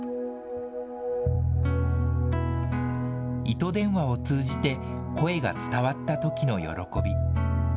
糸電話を通じて、声が伝わったときの喜び。